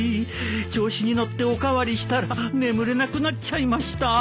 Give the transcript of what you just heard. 調子に乗ってお代わりしたら眠れなくなっちゃいました。